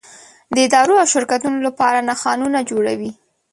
د ادارو او شرکتونو لپاره نښانونه جوړوي.